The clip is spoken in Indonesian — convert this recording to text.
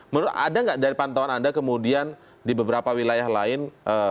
menurut anda nggak dari pantauan anda kemudian di beberapa wilayah lain